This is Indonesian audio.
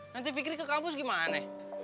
nanti fikri ke kampus gimana ya